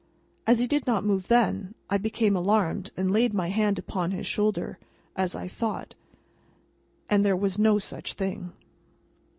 As he did not move then, I became alarmed and laid my hand upon his shoulder, as I thought—and there was no such thing.